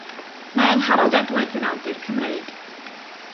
Mae Angharad Edwards yn awdur Cymreig.